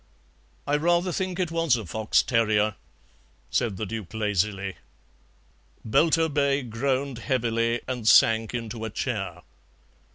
"I rather think it was a fox terrier," said the Duke lazily. Belturbet groaned heavily, and sank into a chair.